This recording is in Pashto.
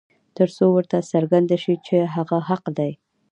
تر څو ورته څرګنده شي چې هغه حق دى.